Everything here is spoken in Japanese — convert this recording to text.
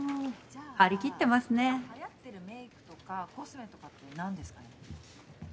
じゃあ今はやってるメイクとかコスメとかって何ですかね？